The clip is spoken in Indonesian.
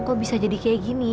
kok bisa jadi kayak gini